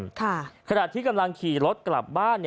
ขณะที่กำลังขี่รถกลับบ้าน